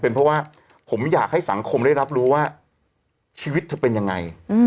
เพราะว่าผมอยากให้สังคมได้รับรู้ว่าชีวิตเธอเป็นยังไง